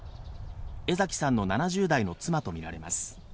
江嵜さんの７０代の妻とみられます。